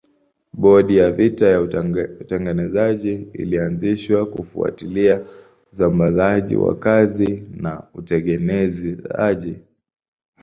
Bodi ya vita ya utengenezaji ilianzishwa kufuatilia usambazaji wa kazi na utengenezaji.